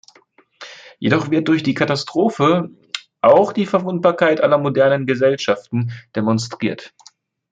Jedoch wird durch die Katastrophe auch die Verwundbarkeit aller modernen Gesellschaften demonstriert.